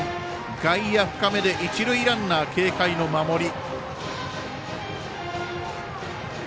外野深めで一塁ランナー警戒の守り。